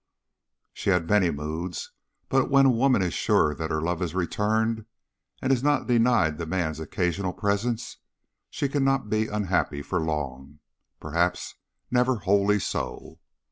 She had many moods, but when a woman is sure that her love is returned and is not denied the man's occasional presence, she cannot be unhappy for long, perhaps never wholly so.